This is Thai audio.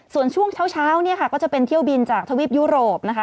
ส่วนช่วงเช้าเนี่ยค่ะก็จะเป็นเที่ยวบินจากทวีปยุโรปนะคะ